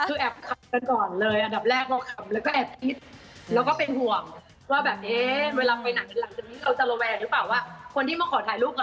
คือแอบคำกันก่อนเลยอันดับแรกเดี๋ยวก็คำ